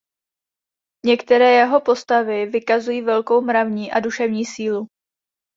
Některé jeho postavy vykazují velkou mravní a duševní sílu.